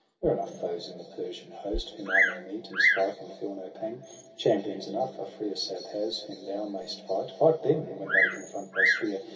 There are enough foes in the Persian host Whom I may meet, and strike, and feel no pang; Champions enough Afrasiab has, whom thou Mayst fight; fight them, when they confront thy spear